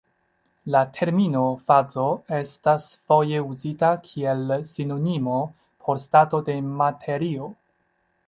La termino fazo estas foje uzita kiel sinonimo por stato de materio.